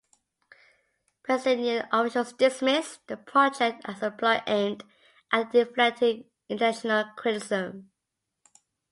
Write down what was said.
Palestinian officials dismissed the project as a ploy aimed at deflecting international criticism.